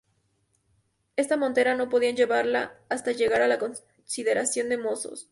Esta montera no podían llevarla hasta llegar a la consideración de mozos.